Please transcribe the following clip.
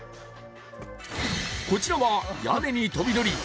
こちらは屋根に飛び乗り